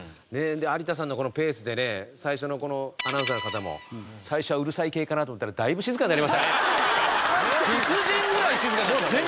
で有田さんのペースでね最初このアナウンサーの方も最初はうるさい系かなと思ったら別人ぐらい静かになってましたよ。